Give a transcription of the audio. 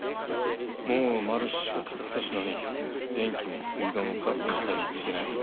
もう丸２日近くたつのに電気も水道もガスも回復してない。